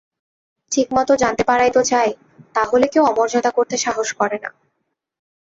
ঠিকমত জানতে পারাই তো চাই, তা হলে কেউ অমর্যাদা করতে সাহস করে না।